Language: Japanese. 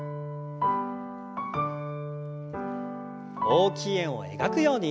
大きい円を描くように。